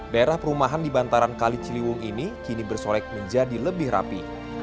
daerah perumahan di bantaran kali ciliwung ini kini bersolek menjadi lebih rapi